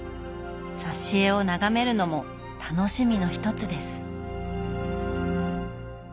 挿絵を眺めるのも楽しみの一つです。